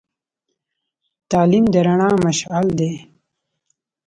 تعلیم د رڼا مشعل دی.